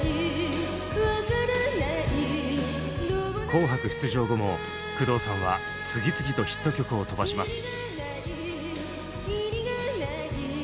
「紅白」出場後も工藤さんは次々とヒット曲を飛ばします。